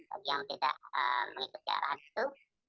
bagi yang tidak mengikuti arahan itu